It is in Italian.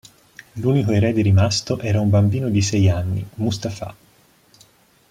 L'unico erede rimasto era un bambino di sei anni, Mustafa.